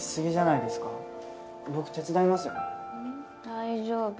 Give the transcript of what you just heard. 大丈夫。